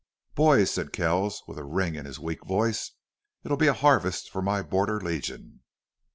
"Boys," said Kells, with a ring in his weak voice, "it'll be a harvest for my Border Legion."